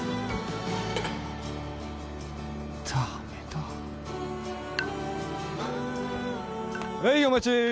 ダメだはいお待ち